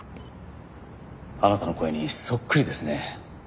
あなたの声にそっくりですね。